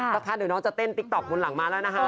เดี๋ยวน้องจะเต้นติ๊กต๊อกบนหลังมาแล้วนะคะ